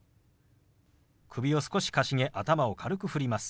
首を少しかしげ頭を軽く振ります。